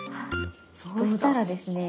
そうしたらですね